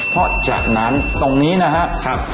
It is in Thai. เพราะจากนั้นตรงนี้นะครับ